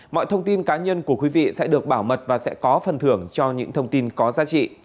mọi thông tin cá nhân của quý vị sẽ được bảo mật và sẽ có phần thưởng cho những thông tin có giá trị